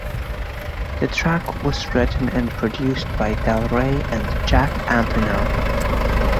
The track was written and produced by Del Rey and Jack Antonoff.